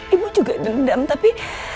ibu juga dendam tapi